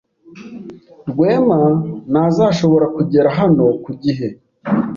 Rwema ntazashobora kugera hano ku gihe.